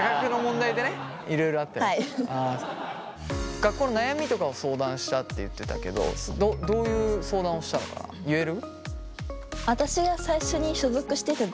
学校の悩みとかを相談したって言ってたけどどういう相談をしたのか言える？